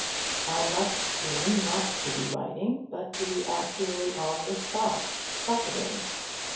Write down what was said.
I must seem not to be writing, but to be actually on the spot, suffering.